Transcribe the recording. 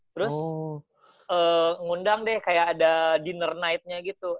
terus ngundang deh kayak ada dinner night nya gitu